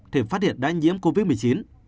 thì phát hiện đã nhiễm covid một mươi chín